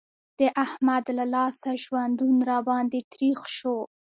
د احمد له لاسه ژوندون را باندې تريخ شو.